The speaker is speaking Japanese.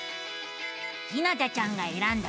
ひなたちゃんがえらんだ